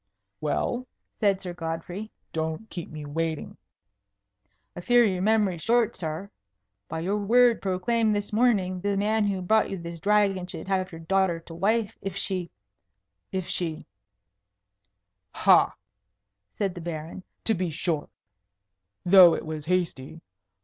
"Well?" said Sir Godfrey, "don't keep me waiting." "I fear your memory's short, sir. By your word proclaimed this morning the man who brought you this Dragon should have your daughter to wife if she if she " "Ha!" said the Baron. "To be sure. Though it was hasty.